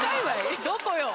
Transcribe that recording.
どこよ！